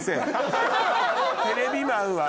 テレビマンは。